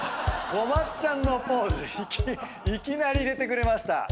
こまっちゃんのポーズいきなり入れてくれました！